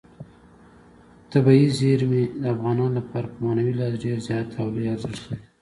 طبیعي زیرمې د افغانانو لپاره په معنوي لحاظ ډېر زیات او لوی ارزښت لري.